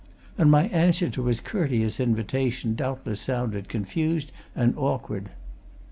And my answer to his courteous invitation doubtless sounded confused and awkward.